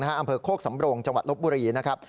อำเภอโคกสำโรงจังหวัดลบบุรีนะครับ